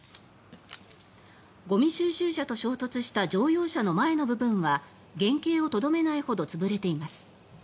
ゴミ収集車と衝突した乗用車の前の部分は原形をとどめないほど潰れています。